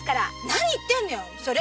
何言ってんのよ。